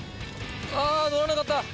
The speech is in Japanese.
あのらなかった。